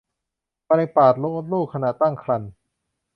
มะเร็งปากมดลูกขณะตั้งครรภ์